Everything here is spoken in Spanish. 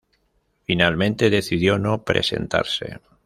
Finalmente decidió no presentarse.